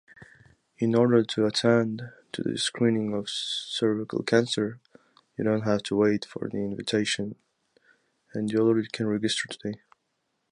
In order to attend to the screening of cervical cancer, you don’t have to wait for the invitation and you already can register today.